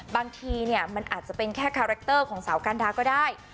บางทีเนี่ยมันอาจจะเป็นแค่คาแรคเตอร์ของสาวกันดาก็ได้